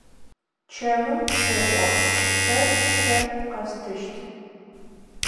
Чэмым къеӏо: Сэ щэ къэстыщт.